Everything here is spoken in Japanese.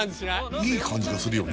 いい感じがするよね